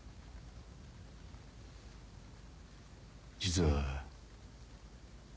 実は。